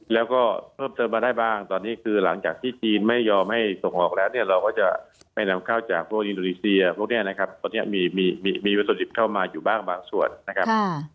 แล้วก็เพิ่มเติมมาได้บ้างตอนนี้คือหลังจากที่จีนไม่ยอมให้ส่งออกแล้วเนี่ยเราก็จะไปนำเข้าจากพวกอินโดนีเซียพวกนี้นะครับตอนนี้มีมีวัตถุดิบเข้ามาอยู่บ้างบางส่วนนะครับ